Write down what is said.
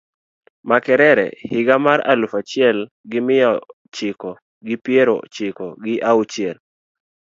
Makerere higa mar aluf achiel gi miya chiko gi piero chiko gi auchiel